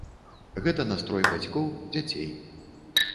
Гэта настрой бацькоў, дзяцей.